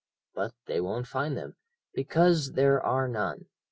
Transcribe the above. But they won't find them, because there are none.